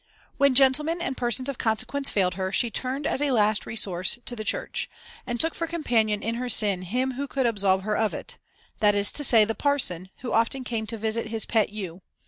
When gentlemen and persons of consequence failed her, she turned as a last resource to the Church, and took for companion in her sin him who could absolve her of it that is to say, the parson, who often came to visit his pet ewe.